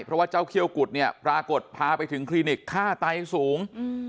เพราะว่าเจ้าเขี้ยวกุฎเนี่ยปรากฏพาไปถึงคลินิกฆ่าไตสูง